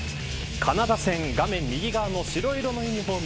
カナダ戦、画面右側の白色のユニホーム